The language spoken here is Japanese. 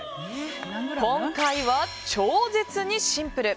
今回は超絶にシンプル。